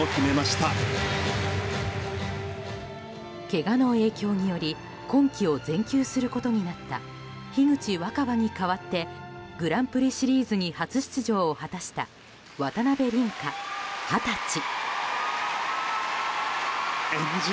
けがの影響により今季を全休することになった樋口新葉に代わってグランプリシリーズに初出場を果たした渡辺倫果、二十歳。